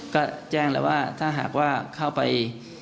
ก็แจ้งแล้วว่าถ้าหากว่าเข้าไป